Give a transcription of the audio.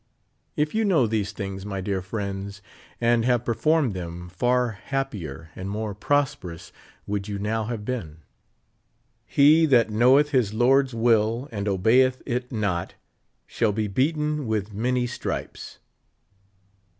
If you know these things, my dear friends, and have per formed them, far happier and more prosperous would you now have been. "'He that knoweth his Lord's will, and obeyeth it not, shall be beaten with many stripes."